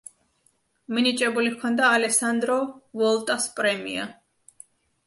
მინიჭებული ჰქონდა ალესანდრო ვოლტას პრემია.